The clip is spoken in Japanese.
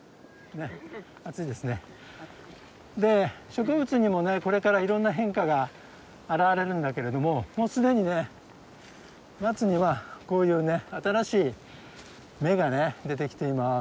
植物にもねこれからいろんな変化が現れるんだけれどももう既にね松にはこういうね新しい芽がね出てきています。